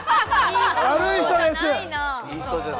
いい人じゃないな？